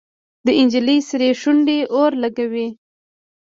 د نجلۍ سرې شونډې اور لګوي.